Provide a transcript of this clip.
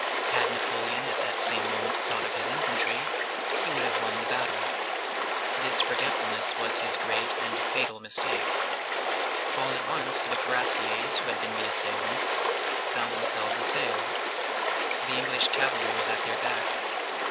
Had Napoleon at that same moment thought of his infantry, he would have won the battle. This forgetfulness was his great and fatal mistake. All at once, the cuirassiers, who had been the assailants, found themselves assailed. The English cavalry was at their back.